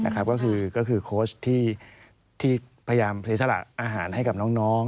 ก็คือโค้ชที่พยายามเสียสละอาหารให้กับน้อง